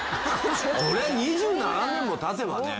そりゃあ２７年も経てばねえ。